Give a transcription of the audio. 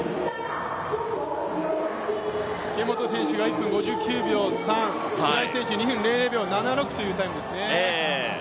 池本選手が１分５９秒３、白井選手は２分００秒７６というタイムですね。